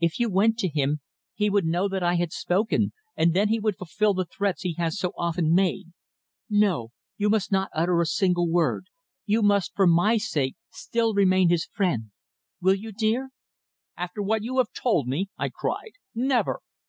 "If you went to him he would know that I had spoken, and then he would fulfil the threats he has so often made. No, you must not utter a single word. You must, for my sake, still remain his friend. Will you, dear?" "After what you have told me!" I cried. "Never!"